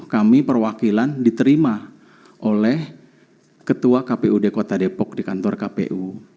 kami perwakilan diterima oleh ketua kpud kota depok di kantor kpu